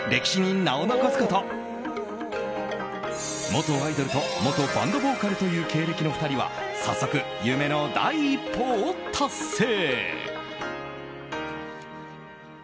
元アイドルと元バンドボーカルという経歴の２人は早速、夢の第一歩を達成。